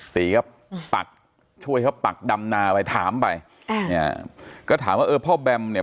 ตีช่วยเขาปักดำนาไปถามไปก็ถามว่าพ่อแบมเนี่ย